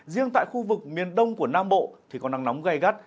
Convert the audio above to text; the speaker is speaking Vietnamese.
riêng tại khu vực miền đông của nam bộ thì có nắng nóng gây gắt